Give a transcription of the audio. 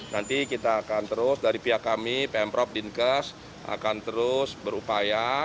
nanti kita akan terus dari pihak kami pemprov dinkes akan terus berupaya